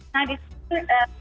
nah di sini juga